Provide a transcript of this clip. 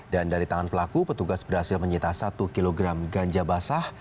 dan dari tangan pelaku petugas berhasil menyita satu kg ganja basah